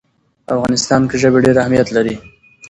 په افغانستان کې ژبې ډېر اهمیت لري.